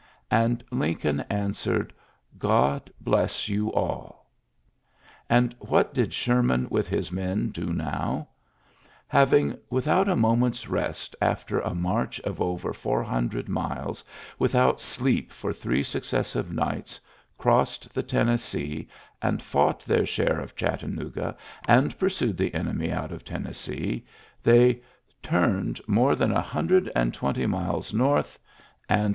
And Lincoln answered, "Gtod bless you all! " And what did Sherman with his men do now! Having "with out a moment's rest after a march of over four hundred miles, without sleep for three successive nights," crossed the Tennessee and fought their share of Chattanooga and pursued the enemy out of Tennessee, they "turned more than a hundred and twenty miles north, and uorary ^uiu 98 ULYSSES S.